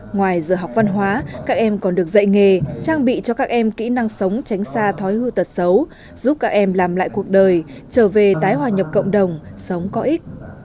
ngoài giờ học văn hóa các em còn được dạy nghề trang bị cho các em kỹ năng sống tránh xa thói hư tật xấu giúp các em làm lại cuộc đời trở về tái hòa nhập cộng đồng sống có ích